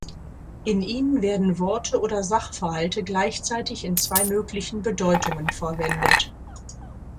In ihnen werden Worte oder Sachverhalte gleichzeitig in zwei möglichen Bedeutungen verwendet.